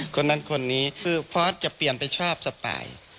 คนนั้นคนนี้คือพอสจะเปลี่ยนไปชอบสปาย